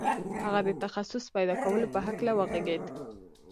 هغه د تخصص پیدا کولو په هکله وغږېد